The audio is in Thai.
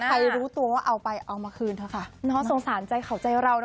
ใครรู้ตัวว่าเอาไปเอามาคืนเธอค่ะ